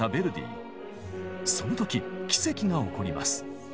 その時奇跡が起こります。